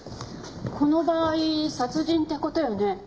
この場合殺人って事よね。